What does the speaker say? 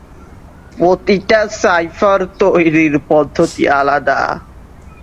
প্রতিটা সাইফার তৈরির পদ্ধতি আলাদা।